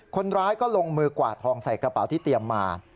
คนร้ายก็ลงมือกวาดทองใส่กระเป๋าที่เตรียมมา